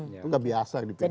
itu gak biasa di pedi perjuangan